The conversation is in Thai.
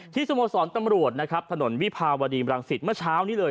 ที่สมสอนตำรวจถนนวีพาหวดีมรังศิษย์เมื่อเช้านี้เลย